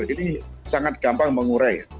ini sangat gampang mengurai